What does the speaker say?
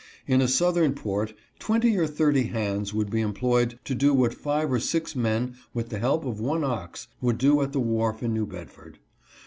In a southern port twenty or thirty hands would be employed to do what five or six men, with the help of one ox, would do at the wharf in New Bedford.